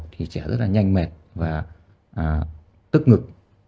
thì trẻ rất là nhanh mệt và tức ngực